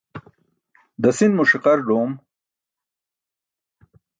Dasin mo ṣiqar doom.